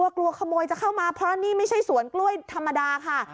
กลัวขโมยจะเข้ามาเพราะนี่ไม่ใช่สวนกล้วยธรรมดาค่ะ